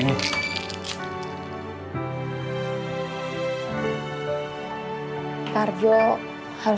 nggak ada apa apa